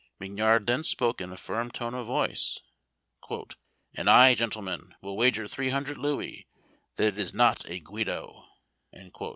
Mignard then spoke in a firm tone of voice: "And I, gentlemen, will wager three hundred louis that it is not a Guido."